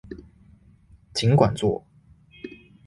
儘管做